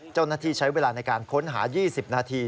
เจ้าหน้าที่ใช้เวลาในการค้นหา๒๐นาที